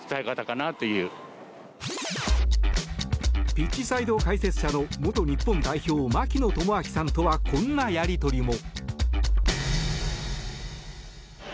ピッチサイド解説者の元日本代表、槙野智章さんとはこんなやり取りも。